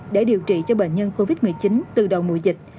để điều trị cho bệnh nhân covid một mươi chín từ đầu mùa dịch